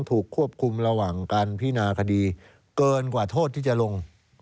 ถูกควบคุมระหว่างการพินาคดีเกินกว่าโทษที่จะลง